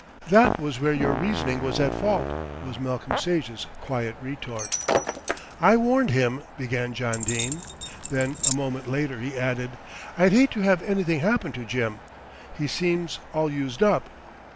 "That was where your reasoning was at fault," was Malcolm Sage's quiet retort. "I warned him," began John Dene; then a moment later he added, "I'd hate to have anything happen to Jim. He seems all used up."